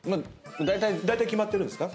だいたい決まってるんですか？